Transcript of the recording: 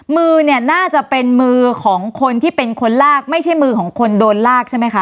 มือเนี่ยน่าจะเป็นมือของคนที่เป็นคนลากไม่ใช่มือของคนโดนลากใช่ไหมคะ